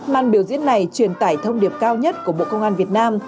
màn biểu diễn này truyền tải thông điệp cao nhất của bộ công an việt nam